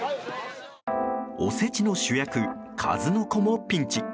おせちの主役、数の子もピンチ。